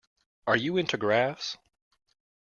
Are you into graphs?